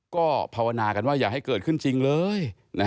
ก็ภาวนากันว่าอย่าให้เกิดขึ้นจริงเลย